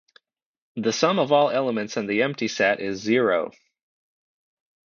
The sum of all elements in the empty set is zero.